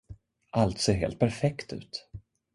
Allt ser helt perfekt ut.